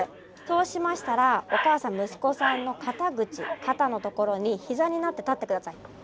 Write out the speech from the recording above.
そうしましたらおかあさん息子さんの肩口肩の所に膝になって立って下さい。